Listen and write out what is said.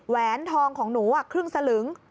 แหนทองของหนูครึ่งสลึง